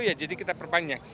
ya jadi kita perpanjang